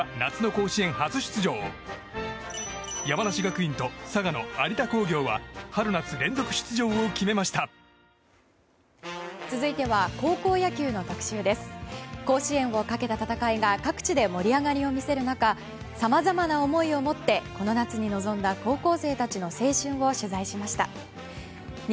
甲子園をかけた戦いが各地で盛り上がりを見せる中さまざまな思いを持ってこの夏に臨んだ高校生たちの青春を取材しました。